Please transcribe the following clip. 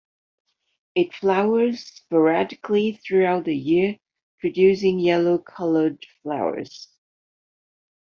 It flowers sporadically throughout the year producing yellow coloured flowers.